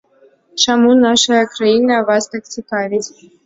Чаму нашая краіна вас так цікавіць?